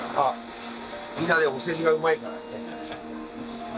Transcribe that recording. みんなねお世辞がうまいからね。